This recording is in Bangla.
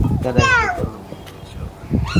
জানেন, এক ভূত অন্য ভুতকে কী বলেছিল?